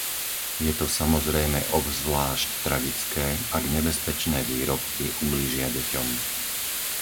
Je to samozrejme obzvlášť tragické, ak nebezpečné výrobky ublížia deťom.